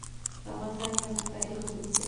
په افغانستان کې د نمک تاریخ اوږد دی.